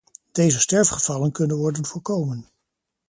Deze sterfgevallen kunnen worden voorkomen.